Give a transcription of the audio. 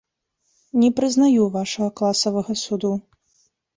Не прызнаю вашага класавага суду!